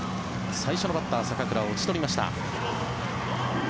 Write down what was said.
最初のバッター、坂倉を打ち取りました。